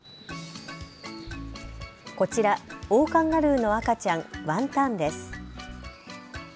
こちらオオカンガルーの赤ちゃんワンタンです。